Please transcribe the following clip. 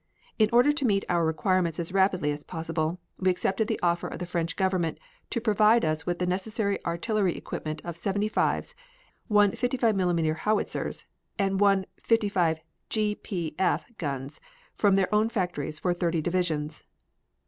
In order to meet our requirements as rapidly as possible, we accepted the offer of the French Government to provide us with the necessary artillery equipment of seventy fives, one fifty five millimeter howitzers, and one fifty five G P F guns from their own factories for thirty divisions.